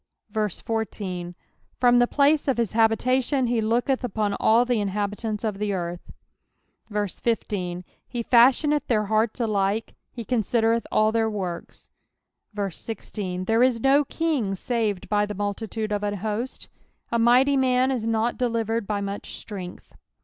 14 From the place of his habitation he looketh upon all the in habitants of the earth. 15 He fashioneth their hearts alike ; he considereth all their works. 16 There is no kin^ saved by the multitude of an host ; a mighty man is not delivered by much strength.